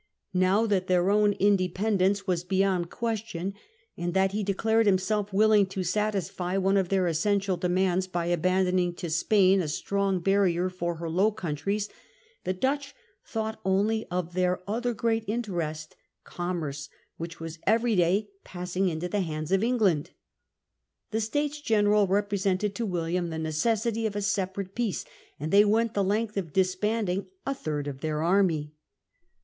The Now that their own independence was beyond determines < l uest ^ on > anc * that he declared himself willing on a separate to satisfy one of their essential demands by peace. abandoning to Spain a strong barrier for her Low Countries, the Dutch thought only of their other great interest, commerce, which was every day passing into the hands of England. The States General represented to William the necessity of a separate peace, and they went the length of disbanding a third of their army.